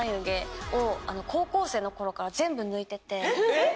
えっ！